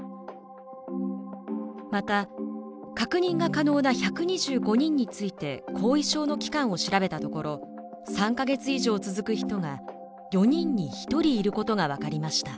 また確認が可能な１２５人について後遺症の期間を調べたところ３か月以上続く人が４人に１人いることが分かりました。